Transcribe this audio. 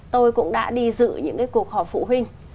tôi cũng đã đi dự những cuộc học phụ huynh